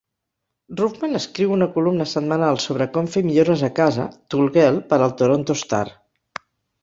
Ruffman escriu una columna setmanal sobre com fer millores a casa, "ToolGirl", per al Toronto Star.